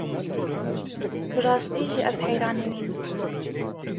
Bi rastî jî ez heyranê wî me.